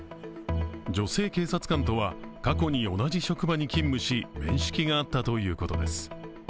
女性警察官とは過去に同じ職場に勤務し面識があったということです。